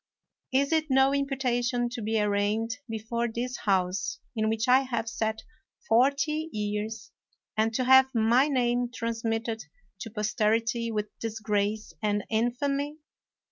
Is it no imputation to be arraigned be fore this House, in which I have sat forty years, and to have my name transmitted to posterity with disgrace and infamy?